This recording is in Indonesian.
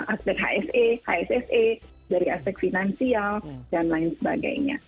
aspek hse hsse dari aspek finansial dan lain sebagainya